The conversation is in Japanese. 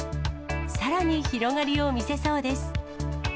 さらに広がりを見せそうです。